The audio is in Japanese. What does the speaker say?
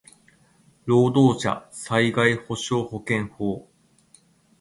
労働者災害補償保険法